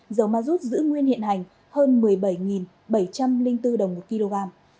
dầu ma rút giữ nguyên hiện hành hơn một mươi bảy bảy trăm linh bốn đồng một kg